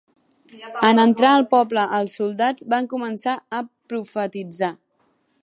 En entrar al poble els soldats van començar a profetitzar.